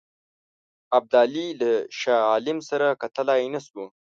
ابدالي له شاه عالم سره کتلای نه شو.